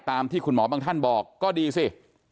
ตามที่คุณหมอบางท่านบอกก็ดีสิ